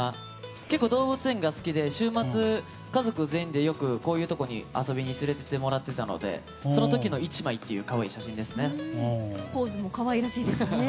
結構、動物園が好きで週末、家族全員でよくこういうところに連れて行ってもらってたのでその時の１枚という可愛い写真ですね。